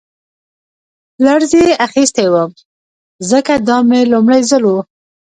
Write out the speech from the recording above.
لړزې اخیستی وم ځکه دا مې لومړی ځل و